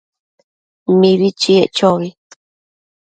Mibi chiec chobi